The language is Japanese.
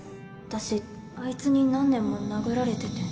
私アイツに何年も殴られてて